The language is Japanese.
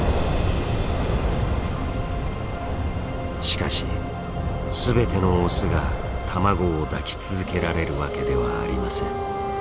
しかし全てのオスが卵を抱き続けられるわけではありません。